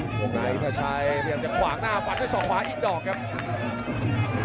พวกนายอินทราชัยเปลี่ยนจะขวางหน้าฝันให้ส่องขวาอินทราชัยออกครับ